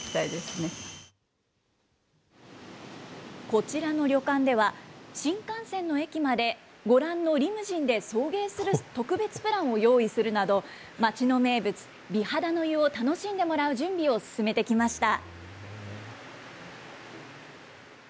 こちらの旅館では、新幹線の駅までご覧のリムジンで送迎する特別プランを用意するなど、街の名物、美肌の湯を楽しんでもらう準備を進めてきました。